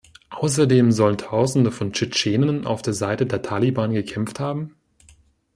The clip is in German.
Außerdem sollen Tausende von Tschetschenen auf der Seite der Taliban gekämpft haben?